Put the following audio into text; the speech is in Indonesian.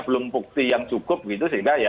belum bukti yang cukup begitu sehingga